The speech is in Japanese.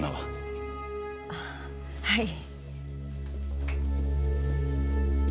はい。